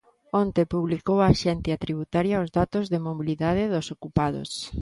Onte publicou a Axencia Tributaria os datos de mobilidade dos ocupados.